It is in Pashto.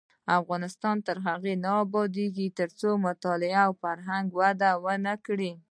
افغانستان تر هغو نه ابادیږي، ترڅو د مطالعې فرهنګ وده ونه کړي.